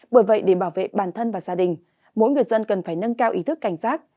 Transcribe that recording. bởi vậy để bảo vệ bản thân và gia đình mỗi người dân cần phải nâng cao ý thức cảnh giác